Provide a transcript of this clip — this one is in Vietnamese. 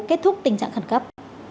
kết thúc tình trạng khẩn cấp